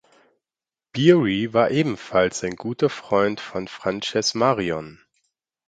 Beery war ebenfalls ein guter Freund von Frances Marion.